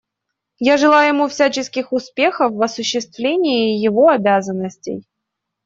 Я желаю ему всяческих успехов в осуществлении его обязанностей.